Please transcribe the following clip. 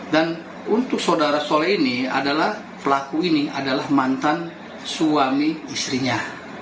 dan untuk saudara sole ini adalah pelaku ini adalah mantan suami istrinya